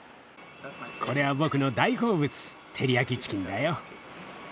これは僕の大好物テリヤキチキンだよ。